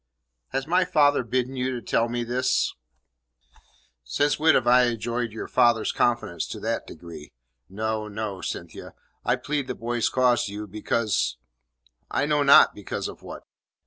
"Has my father bidden you to tell me this?" "Since when have I enjoyed your father's confidence to that degree? No, no, Cynthia. I plead the boy's cause to you because I know not because of what."